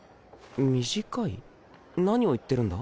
何を言ってるんだ？